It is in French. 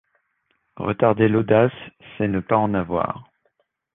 Retarder l’audace, c’est ne pas en avoir.